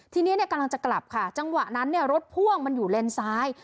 ทีนี้กำลังจะกลับค่ะจังหวะนั้นรถพ่วงมันอยู่เลนสาย